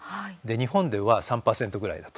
日本では３％ぐらいだと。